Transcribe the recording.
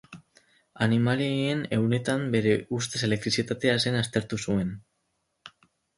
Animalien ehunetan bere ustez elektrizitatea zena aztertu zuen.